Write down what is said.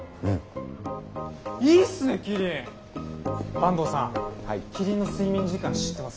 坂東さんキリンの睡眠時間知ってます？